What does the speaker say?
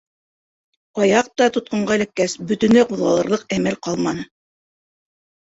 Аяҡ та тотҡонға эләккәс, бөтөнләй ҡуҙғалырлыҡ әмәл ҡалманы.